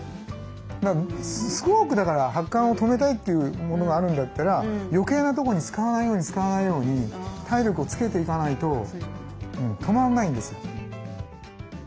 すごくだから発汗を止めたいというものがあるんだったら余計なとこに使わないように使わないように体力をつけていかないと止まらないんですよ。